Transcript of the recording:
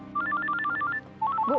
bu sebentar ya